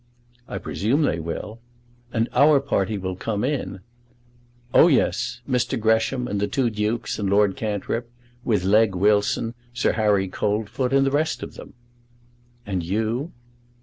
"I presume they will." "And our party will come in." "Oh, yes; Mr. Gresham, and the two dukes, and Lord Cantrip, with Legge Wilson, Sir Harry Coldfoot, and the rest of them." "And you?"